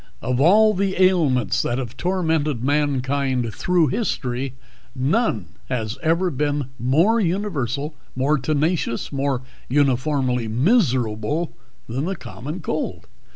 Of all the ailments that have tormented mankind through history none was ever more universal, more tenacious, more uniformly miserable than the common cold.